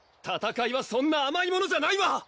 戦いはそんなあまいものじゃないわ！